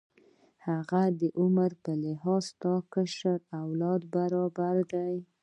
هغه د عمر په لحاظ ستا د کشر اولاد برابر دی.